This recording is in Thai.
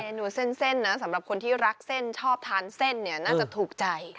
นูเส้นนะสำหรับคนที่รักเส้นชอบทานเส้นเนี่ยน่าจะถูกใจ